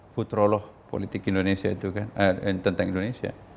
seorang istri teroloh tentang indonesia